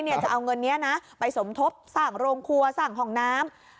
จะเอาเงินนี้นะไปสมทบสร้างโรงครัวสร้างห้องน้ำ